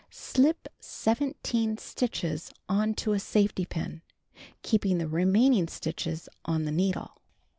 Slip 17 stitches on to a safety pin, keeping the remaining stitches on the needle.